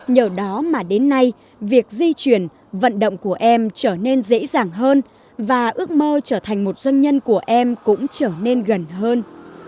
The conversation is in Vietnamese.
nhờ đó mà đến nay việc di chuyển vận động của em trở nên dễ dàng hơn và ước mơ trở thành một doanh nhân của em cũng trở nên gần hơn